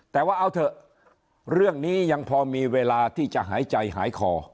แต่ว่าเอาเถอะเรื่องนี้ยังพอมีเวลาที่จะหายใจหายคอ